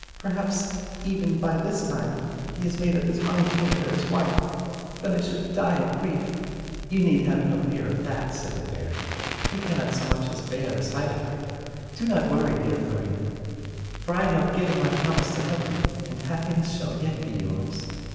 "Per haps, even, by this time, he has made up his mind to make her his wife. Then I should die of grief." "You need have no fear of that," said the fairy; "he cannot so much as bear the sight of her. Do not worry, dear Fiorina; for I have given my promise to help you, and happiness shall yet be yours.